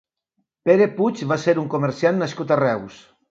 Pere Puig va ser un comerciant nascut a Reus.